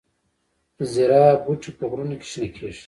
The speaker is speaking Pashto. زیره بوټی په غرونو کې شنه کیږي؟